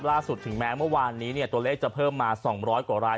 ล่าสุดถึงแม้เมื่อวานนี้เนี่ยตัวเลขจะเพิ่มมา๒๐๐กว่าราย